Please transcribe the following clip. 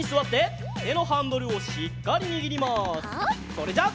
それじゃあ。